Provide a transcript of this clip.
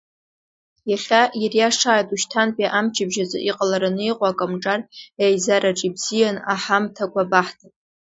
Иахьа ириашааит ушьҭантәи амчыбжь азы иҟалараны иҟоу акомҿар еизараҿ ибзиан аҳамҭақәа баҳҭап.